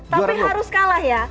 tapi harus kalah ya